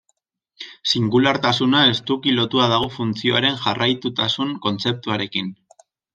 Singulartasuna estuki lotua dago funtzioaren jarraitutasun kontzeptuarekin.